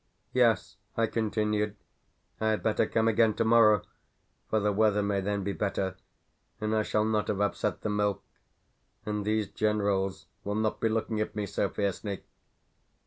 "Yes," I continued, "I had better come again tomorrow, for the weather may then be better, and I shall not have upset the milk, and these generals will not be looking at me so fiercely."